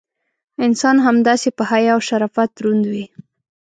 انسان همداسې: په حیا او شرافت دروند وي.